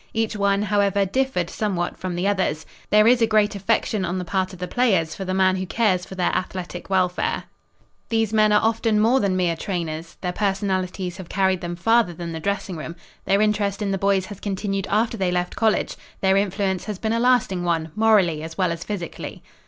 Each one, however, differed somewhat from the others. There is a great affection on the part of the players for the man who cares for their athletic welfare. These men are often more than mere trainers. Their personalities have carried them farther than the dressing room. Their interest in the boys has continued after they left college. Their influence has been a lasting one, morally, as well as physically.